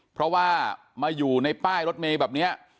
เพราะว่ามาอยู่ในป้ายรถเมย์แบบนี้